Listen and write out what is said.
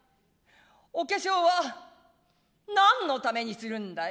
お化粧はなんのためにするんだい？」。